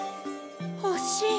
ほしい。